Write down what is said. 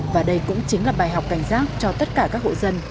và đây cũng chính là bài học cảnh giác cho tất cả các hộ dân